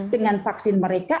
dengan vaksin mereka